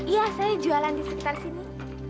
iya saya jualan di sekitar sini